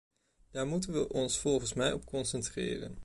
Daar moeten we ons volgens mij op concentreren.